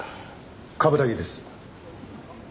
冠城です。